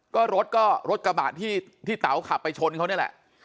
ก็รถก็รถกระบะที่เต๋าขับไปชนเขานี่แหละ